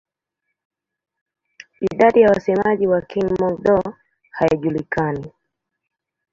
Idadi ya wasemaji wa Kihmong-Dô haijulikani.